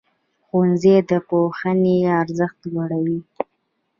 ښوونځی د پوهنې ارزښت لوړوي.